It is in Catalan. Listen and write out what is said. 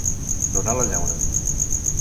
Donar la llauna.